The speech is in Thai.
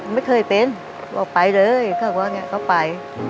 ไม่เคยเป็นออกไปเลยก็บอกไงก็ไป